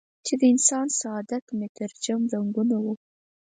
چې د انسان سعادت مترجم رنګونه وو.